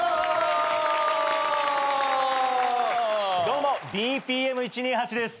どうもＢＰＭ１２８です。